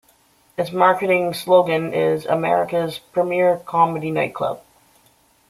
Its marketing slogan is America's Premiere Comedy Nightclub.